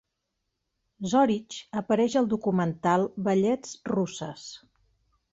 Zoritch apareix al documental "Ballets Russes".